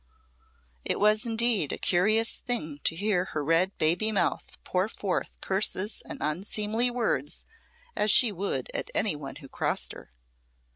It was indeed a curious thing to hear her red baby mouth pour forth curses and unseemly words as she would at any one who crossed her.